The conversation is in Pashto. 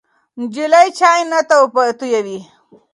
نجلۍ چای نه تویوي.